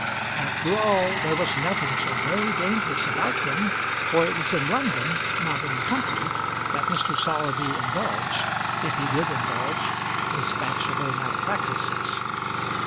After all, there was nothing so very dangerous about them; for it was in London, not in the country, that Mr. Sowerby indulged, if he did indulge, his bachelor mal practices.